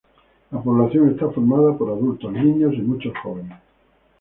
La población está formada por adultos, niños y muchos jóvenes.